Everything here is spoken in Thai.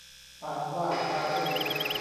ปากว่าตาขยิบ